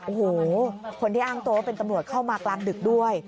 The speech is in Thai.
โอ้โหคนที่อ้างตัวว่าเป็นตำรวจเข้ามากลางดึกด้วย